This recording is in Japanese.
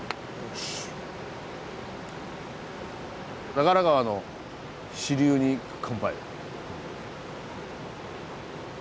長良川の支流に乾杯。